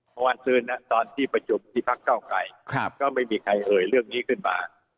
เมื่อคืนนะตอนที่ประชุมที่พักเก้าไกรก็ไม่มีใครเอ่ยเรื่องนี้ขึ้นมา